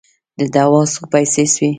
د دوا څو پیسې سوې؟